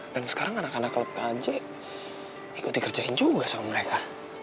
dan sekarang anak anak klub kj ikut dikerjain juga sama mereka